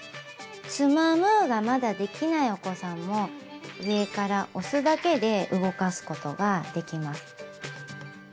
つまむがまだできないお子さんも上から押すだけで動かすことができます。